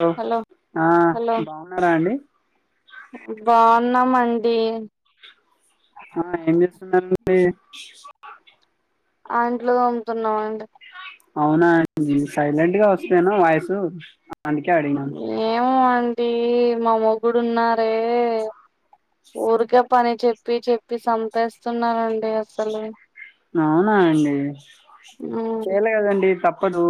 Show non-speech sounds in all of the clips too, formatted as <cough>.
Hello ఆ hello బాగున్నారా అండి ఉన్నామండి ఆ ఏం చేస్తున్నారండి ఆ అంట్లో తమ్ముతున్నాం అండి అవునాండి సైలెంట్ గా వస్తెను వాయిసు ఏమోఅం టి మా మొగ్గుడు ఉన్నారే ఊరిక పని చెప్పి చెప్పి చంపేస్తున్నారండి అసలు అవునా అండి ఉమ్ చేయలే కదండి తప్పదు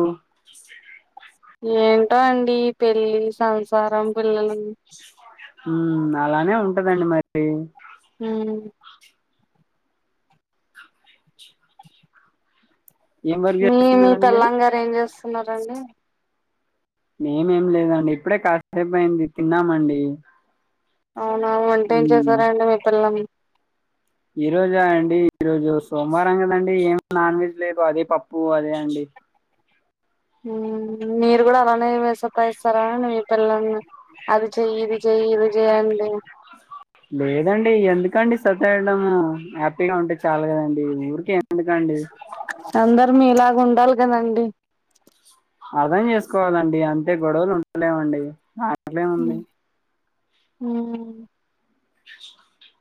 ఏంటో అండి పెళ్లి సంసారం పిల్లలు ఉ అలానే ఉంటదండి మరి హ ఏం వర్క్ మీ మీ చేస్తున్నారండి మీరు పెల్లంగారు ఏం చేస్త చేస్తున్నారండి మేమేం లేదండి ఇప్పుడే కాసేపు అయింది తిన్నామండి అవునా వంటే ఏం ఉమ్ చేశారాండి మీ పిల్లం ఈ రోజా అండి ఈరోజు సోమవారం కదండి ఏం నాన్ వెజ్ లేదు అదే పప్పు అదే అండి హ మీరు కూడా అలానే వేసతాయిస్తారా మీ పిల్ల అది చెయి ఇది చెయి ఇది చేయండి లేదండి ఎందుకండి సతాయిడము హ్యాపీగా ఉంటే చాలు కదండి ఊరుకె ఎందుకండి మీ లాగ ఉండాలి కదండి అర్థం చేసుకోవాలండి అంతే గొడవలు ఉండలేవండి అట్లేముంది హ <unintelligible>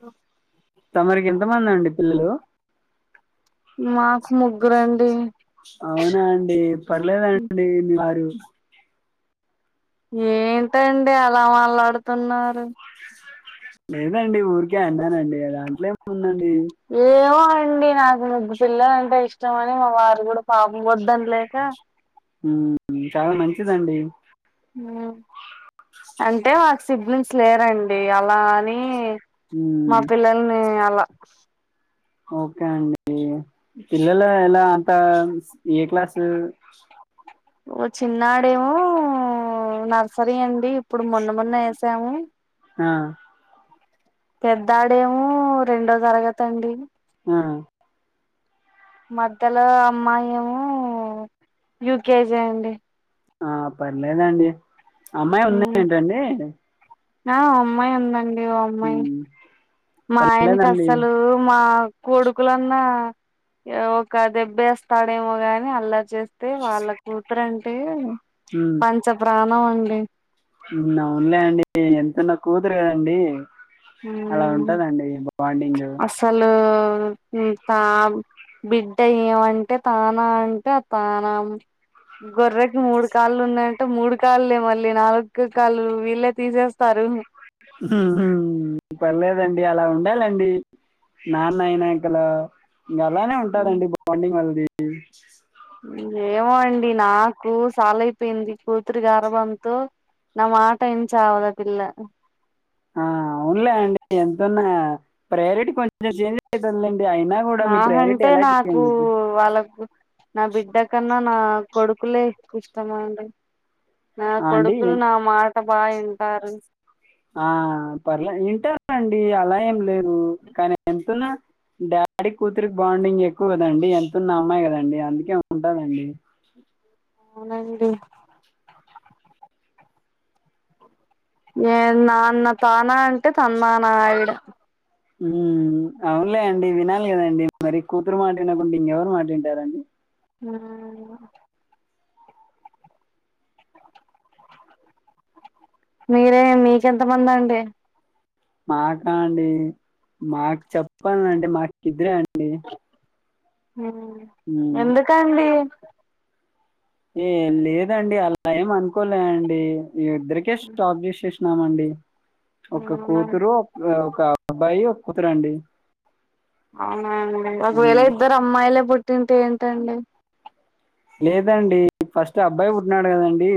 ఓ తమరికి ఎంతమంది అండి పిల్లలు మాకు ముగ్గురండి అవునాండి పర్లేదండి మీ వారు అ <unintelligible> ఏంటండి అలా మాట్లాడుతున్నారు లేదండి ఊరికే అన్ని అదేనండి దాంట్లో ఏం ఉందండి ండి నాకు ముగ్గు పిల్లలంటే ఇష్టం అని మా వారు కూడా పాపం వద్దని లేక ఉ చాలా మంచిదండి హ్ అంటే మాకు సిబ్లింగ్స్ లేరండి అలా అని ఉమ్, మా పిల్లల్ని అలా <unintelligible> ఓకే అండి పిల్లలు ఎలా అంత ఏ క్లాసు వ చిన్నాడేమో నర్సరీ అండి ఇప్పుడు మొన్న మొన్న వేసాము ఆ పెద్దాడేమో రెండో తరగతండి ఆ మధ్యలో అమ్మాయామో యూకేజి అండి ఆ పర్లేదండి అమ్మాయి ఉన్దా ఏంటండి ఆ అమ్మాయి అందం హ మా ఆయనకి అసలు మా కొడుకులున్న ఒక దెబ్బేస్తాడేమో గాని అల్లా చేస్త అతే వాళ్ళ కూతురం టీ ఉమ్, పంచప్రా అండి అవునులే అండి ఎంత నా కూతురు కదండి అలా ఉంటదండి బాండింగ్ అసలు తా బిడ్డ ఏమంటే తాన అంటే ఆ తాన గొర్రెకి మూడు కాళ్ళు ఉన్నాంటే మూడు కాళ్ళ మళ్ళీ నాలుగు కాళ్ళు వీళ్ళే తీసేస్తారు పర్లేదండి అలా ఉండాలండి నాన్న అయినా ఇక్కలా ఇంకా అలానే మ్మ్ ఉంటారంండి బాండింగ్ వాల్ది హ ఏమో అండి నాకు సాలయిపోయింది కూతురి గర్భంతో నా మాట ఏం చావదా పిల్ల ఆ అవునులే అండి ఎంతన్నా ప్రయారిటీ కొంచెం చేంజ్ అవుతుందిలేండి అయినా కూడా మీ ప్రయారిటీ నాకంటే ఎలా నాకు చేంజ్ వాళ్ళకు నా బిడ్డ కన్నా నా కొడుకులే ఇష్టమండ నా ఆ అండి కొడుకు్రు నావ మా బాయ ఉంటారు ఆ పర్లే వింటనండి అలా ఏం లేదు కానీ ఎంతున్నా డాడీ కూతురికి బాండింగ్ ఎక్కువ కదండి ఎంతన్న అమ్మాయి కదండి అందుకే ఉంటాందండి అవునండి న నాన్న తానా అంటే తన్నానా ఆవిడ ఉ అవునులే అండి వినాలి కదండి మరి కూతురు మాట్నకుండా ఇంకెవరు మాట్ంటారండి హ మీరే మీకెంతమంది అండి మాకా అండి మాకు చెప్పాల అంటే మాకు కద్దరే అండి హ్మ్. ఎందుకండి ఏ లేదండి అలా ఏం అనుకోలేండి ఇ ఇద్రకే స్టాప్సి ఇ కృష్ణమ అండి ఒక అవునా కూతురు ఒక అబ్బాయి కుతురండి అవు ఒకవేళ ఇద్దరు అమ్మాయిలే పుట్ తింటే ఏంటండి లేదండి ఫస్ట్ అబ్బాయి పుట్టినాడు కదండీ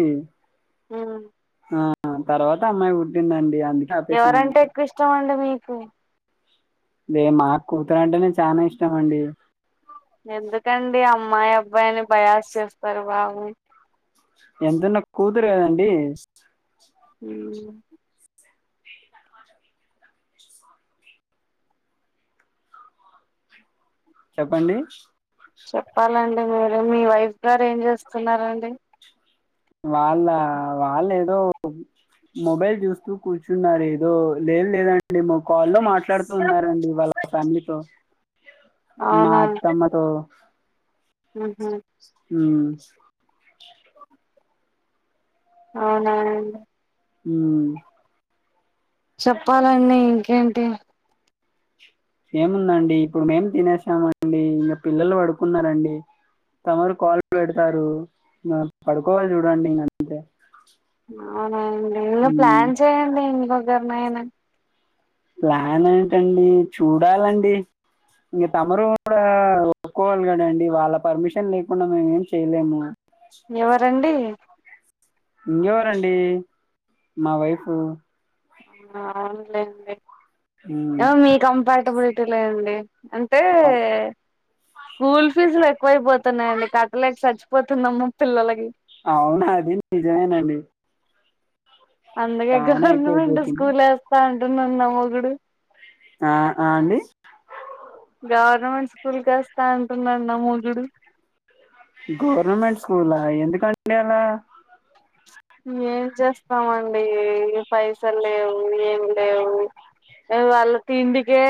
ఉమ్ ఆ తర్వాత అమ్మాయి పుట్టిందండి అందుకే ఆపేసినాము ఎవరంటే ఎక్కువ ఇష్టం అండి మీకు అదే మాకు కూతురు అంటేనే చాలా ఇష్టం అండి ఎందుకండి అమ్మ మ్మాయా అబ్బాయిని బయాస్ చేస్తారు బా ఓ ఎంతన్నా కూతురు కదండి ఉమ్ చెప్పండి చెప్పాలండి మీరు మీ వైఫ్ గారు ఏం చేస్తున్నారండి వాళ్ళ వాళ్ళ ఏదో మొబైల్ చూస్తూ కూర్చున్నారు ఏదో లేదు లేదండి మా కాల్లో మాట్లాడుతూ ఉన్నారండి వాళ్ళ ఫ్యామిలీతో మా అవునా అత్తమ్మతో ఉహు ఉమ్ అవునా ఉమ్ చెప్పాలండి ఇంకేంటి ఏముందండి ఇప్పుడు మేం తినేసామండి ఇంకా పిల్లలు పడుకున్నారండి తమరు కాళ్ళు పెడతారు ఇంకా పడుకోవాలి చూడండి ఇంక అంతే ఉమ్ ప్లాన్ చ చెయ్యండి ధణన ప్లాన్ ఏంటండి చూడాలండి ఇంక తమురు కూడా ఒప్పుకోవాలి కదండి వాళ్ళ పర్మిషన్ లేకుండా మేము ఏం చేయలేము ఎవరండి ఇంకెవరండి మా వైఫ ఆన్లైన్ ఉమ్ మీ కంప అబులిటీ లే అండి అంటే స్కూల్ ఫీజులు ఎక్కువైపోతుయి తున్నాయండి కట్టలేక చచ్చిపోతున్నామ్ము పిల్లలకి అవునా అది నిజమేనండి అందుకే చానా గవర్నమెంట్ ఎక్కువైపోతుంది స్కూల్ వేస్తాంట ఇన్నా మగుడు ఆ ఆ అండి గవర్నమెంట్ స్కూల్ కేస్తా అంటున్నాన్న ముధుడు గవర్నమెంట్ స్కూలా ఎందుకండి అలా ఏం చేస్తామండి పైసలు లేవు ఏమి లేవు వాళ్ళ తిండికే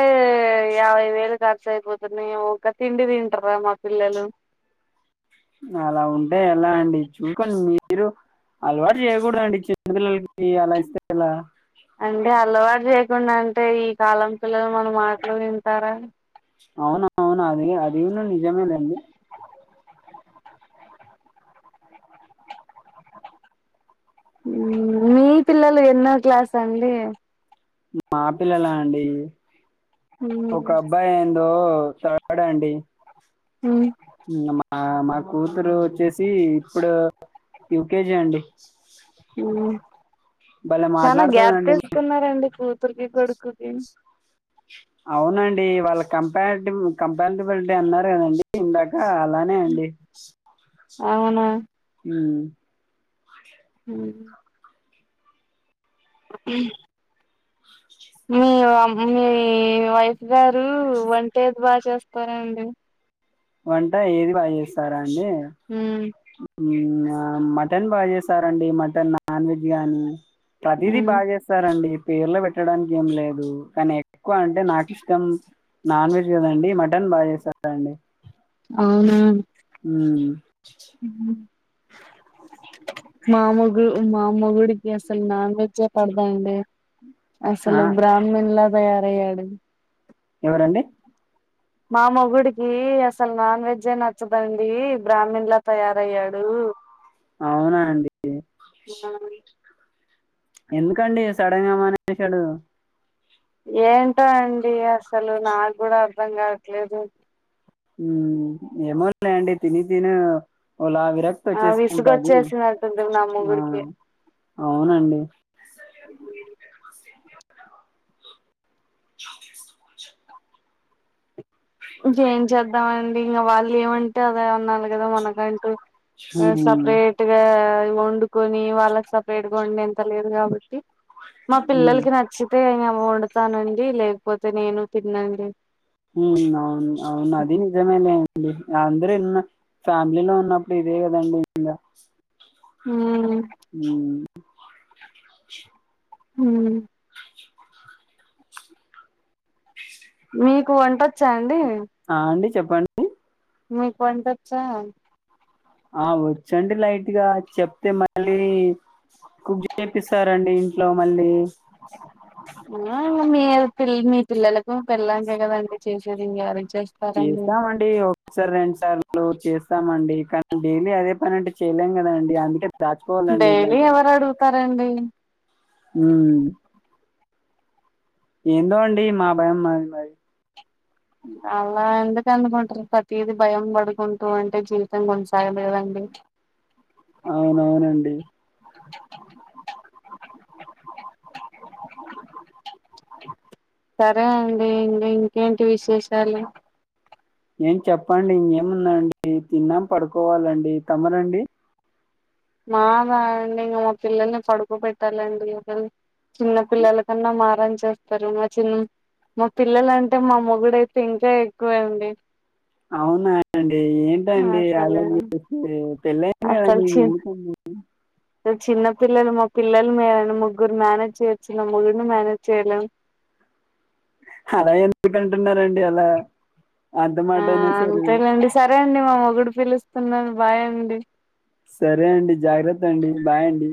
యాభై వేలు ఖర్చు అయిపోతున్నాయి ఒక తిండి తింటరా మా పిల్లలు అలా ఉంటే ఎలా అండి చూసుకని మీరు అలవాటు చేయకూడండి చిన్నపిిల్లలకి అలా ఇస్తే ఎలా అంటే అల్వాటు చేయకుండా అంటే ఈ కాలం పిల్లలు మనం మాటలు వింటారా. అవును అవును అది అదిన్నీ నిజమే అండి మీ పిల్లలు ఎన్నో క్లాస్ అండి మా పిల్లలా అండి. ఒక అబ్బాయి ఏందో థర్డ్ అండి హ్ <unintelligible> మా కూతురు వోచ్చేసి ఇప్పుడు యూకేజీ అండి. హ్ భలే చనా గ్యాప్ మాట్లాడుతదండి తీసుకున్నారండి పూ కూతురుకి కొడుకుకి అవునండి. వాళ్ళ కంపరీటి కంపారిటిబులిటీ అన్నారు. కదండి ఇందాక ఆ అలానే అండి అవునా హ్మ్ హ్మ్ అ మీ ఆమ్ మీ వైఫ్ గారు వంట ఏది బాగా చేస్తారండి. వంట ఏది బాగా చేస్తార యే హ్మ్ ఆ మటన్ బాగా చేసారండి. మటన్ నాన్ వెజ్ గానీ ప్రతిది బాగా చేస్తారండి. పేర్లు పెట్టడానికి ఏం లేదు. కానీ ఎక్కువ అంటే నాకు ఇష్టం నాన్ వెజ్ కదండి. మటన్ బాగా చేస్తారా అండి. అవునా హ్ మా మొగు మా మొగుడికి అసలు నాన్ వెజ్జే పడదు అండి. ఆ, అసలు బ్రాహ్మన్లా తయారయ్యడు ఎవరండి మా మొగుడికి అసలు నాన్ వెజ్జే నచ్చదండి. బ్రాహ్మీన్ లా తయారయ్యాడు. అవునా అండి. ఆ ఎందుకండి సడన్ గా మానేషాడు ఏంటో అండి అసలు నాకు కూడా అర్ధం గావట్లేదు. హ్మ్ ఏమో లే అండి తిని తినీ ఆ విసుగోచ్చేసినట్టుంది. మా ఆ, మొగుడికి అవునండి ఇంకేం చేద్దామండి. ఇంకా వాళ్ళు ఏమంటే అదే అనాలి కదా మనకంటూ మ్మ్, సప్రేట్గా వండుకొని వాళ్ళకి సపరేట్గా వండే అంత లేదు గాబట్టి మా మ్మ్. పిల్లలకి నచ్చితే వండుతానండి లేకపోతే నేను తినండి ఉ అవును అవును అది నిజమే లే అందరూ ఫ్యామిలీలో ఉన్నప్పుడు ఇదే కదండి ఇంకా హు <inaudible> <inaudible> హు మీకు వంట వచ్చా అండి ఆ అండి చెప్పండి మీక్ వంట ఒచ్చ ఆ వచ్చండి లైట్గా చెప్తే మళ్ళీ కుక్ చేపిస్తారండి ఇంట్లో మళ్ళీ ఆ మీ పిల్ మీ పిల్లలకు పెళ్ళాంకే కదండి చేసేది ఇంక ఎవరికి చేస్తామండి ఒకసారి రెండు సార్లు చేస్తామండి కానీ డైలీ అదే పని అంటే చేయలేం కదండి అందుకే దాచుకోవాలండి డైలీ ఇలాంటివి ఎవరు అడుగుతారండి ఏందో అండి మా భయం మాది అలా ఎందుకు అనుకుంటారు ప్రతిది భయ పడుకుంటూ అంటే జీవితం కొనసాగలేదండి అవునవునండి సరే అండి ఇంకేంటి విశేషాలు ఏం చెప్పండి ఇంకేముందండి తిన్నాం పడుకోవాలండి తమరండి మాదండి ఇంకా మా పిల్లల్ని పడుకో పెట్టాలండి చిన్న పిల్లల కన్నా మారం చేస్తారు మా చిన్న మా పిల్లల అంటే మా మొగుడుయితే ఇంకా ఎక్కువ అండి అవునాండి ఏంటండి అసలు అలాగే పెళ్ళయ్యింది అసలు కదండి చి ఎందుకండి చిన్న పిల్లలు మా పిల్లలు మేర ముగ్గురు మానేజ్ చేయొచ్చు నా మొగుణ్ణి ని మేనేజ్ చేయలేం అలా ఎందుకంటున్నారండి ఎలా ఆ అంతేలేండి సరే అండి మా మొగుడు పిలుస్తున్నా బాయ్ అండి సరే అండి జాగ్రత్త అండి బాయ్ అండి